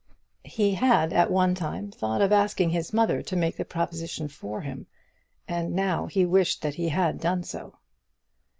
He had at one time thought of asking his mother to make the proposition for him, and now he wished that he had done so.